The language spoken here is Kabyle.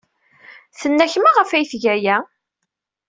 Tenna-ak maɣef ay tga aya?